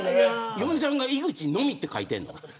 嫁さんが井口のみって書いてるの。